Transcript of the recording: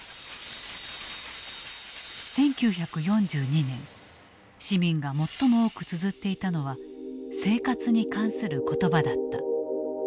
１９４２年市民が最も多くつづっていたのは生活に関する言葉だった。